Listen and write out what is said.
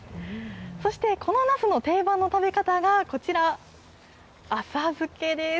そしてこのなすの定番の食べ方がこちら、浅漬けです。